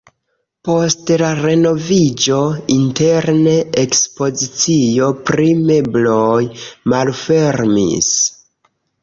Post la renoviĝo interne ekspozicio pri mebloj malfermis.